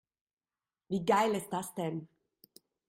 Wie geil ist das denn?